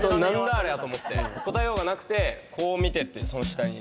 ありゃと思って答えようがなくてこう見てってその下に。